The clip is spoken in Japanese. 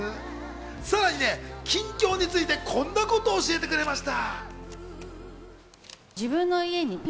さらにね、近況についてこんなことを教えてくれました。